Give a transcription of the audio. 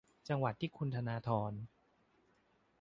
จังหวัดที่คุณธนาธร